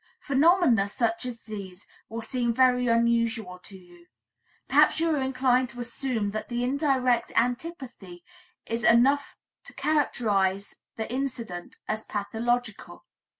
Phenomena such as these will seem very unusual to you. Perhaps you are inclined to assume that the "indirect" antipathy is enough to characterize the incident as pathological.